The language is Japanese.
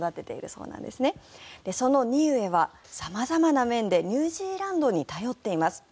そのニウエは様々な面でニュージーランドに頼っています。